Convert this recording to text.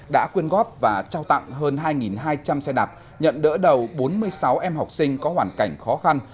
đã quyên góp và trao tặng hơn hai hai trăm linh xe đạp nhận đỡ đầu bốn mươi sáu em học sinh có hoàn cảnh khó khăn